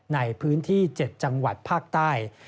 ในพื้นที่๗จังหวัดภาคใต้